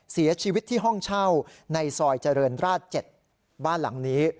เสียชีวิตที่ห้องเช่าในซอยเจริญราช๗บ้านหลังนี้